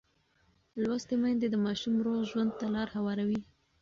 لوستې میندې د ماشوم روغ ژوند ته لار هواروي.